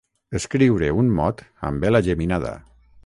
Escriure un mot amb ela geminada.